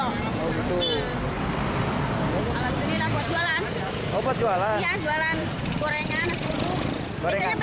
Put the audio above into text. alat jualan jualan gorengan